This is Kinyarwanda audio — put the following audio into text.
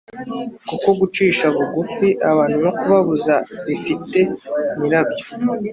kuko gucisha bugufi abantu no kubakuza bifite nyirabyo